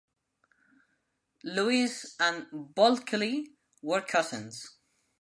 Lewis and Bulkeley were cousins.